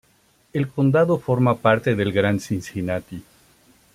El condado forma parte del Gran Cincinnati.